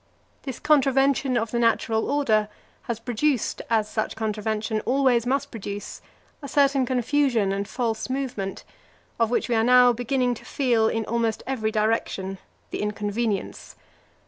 This contravention of the natural order has produced, as such contravention always must produce, a certain confusion and false movement, of which we are now beginning to feel, in almost every direction, the inconvenience.